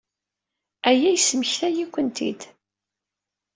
Aya yesmektay-iyi-kent-id.